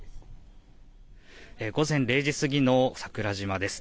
午前０時過ぎの桜島です。